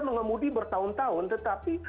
mengemudi bertahun tahun tetapi